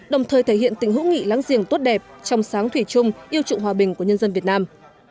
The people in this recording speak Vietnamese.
đồng thời thể hiện tình hữu nghị láng giềng tốt đẹp trong sáng thủy chung yêu trụng hòa bình của nhân dân việt nam